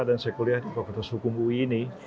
dan saya kuliah di provinsi hukum ui ini